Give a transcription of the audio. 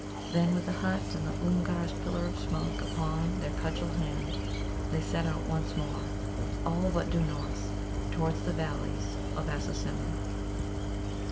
Then, with the hut and the Oomgar's pillar of smoke upon their cudgel hand, they set out once more, all but due North, towards the Valleys of Assasimmon.